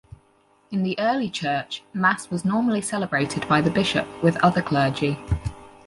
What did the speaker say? In the early Church, Mass was normally celebrated by the bishop, with other clergy.